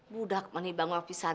budak mani bangwar pisahan